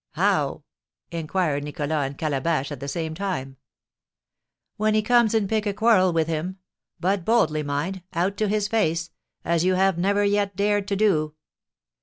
"How?" inquired Nicholas and Calabash at the same time. "When he comes in pick a quarrel with him, but boldly, mind, out to his face, as you have never yet dared to do.